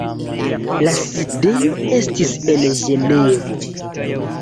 La sidejo estis en Ĝenevo.